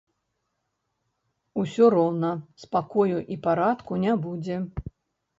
Усё роўна спакою і парадку не будзе.